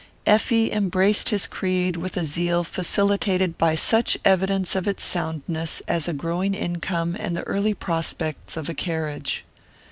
Effie embraced his creed with a zeal facilitated by such evidence of its soundness as a growing income and the early prospects of a carriage.